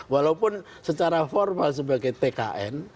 walaupun secara formal sebagai tkn